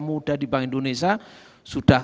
muda di bank indonesia sudah